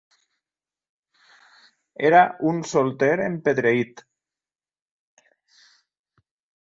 Era un solter empedreït.